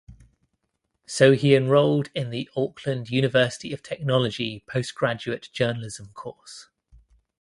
So he enrolled in the Auckland University of Technology postgraduate journalism course.